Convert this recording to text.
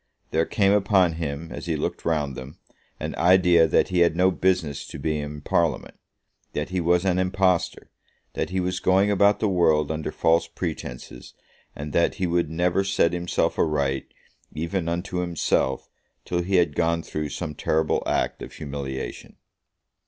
There came upon him, as he looked round them, an idea that he had no business to be in Parliament, that he was an impostor, that he was going about the world under false pretences, and that he would never set himself aright, even unto himself, till he had gone through some terrible act of humiliation.